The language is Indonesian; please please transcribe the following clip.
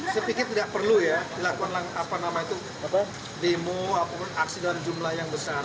sepikit tidak perlu ya dilakukan apa nama itu demo atau aksi dalam jumlah yang besar